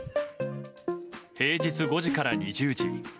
平日５時から２０時。